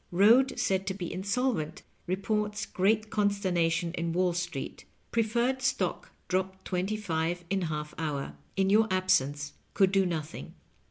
Eoad said to be insol yent. Eeports great oonstemation in Wall Street. Preferred ' stock dropped twenty five in half hour. In your absence could do nothing."